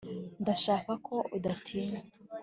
ndashaka ko udatinya